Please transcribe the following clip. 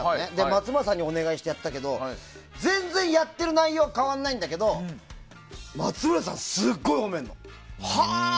松村さんにお願いしたんだけど全然やってる内容は変わらないんだけど松村さん、すごい褒めるの。